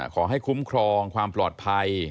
ขอให้คุ้มครองความปลอดภัย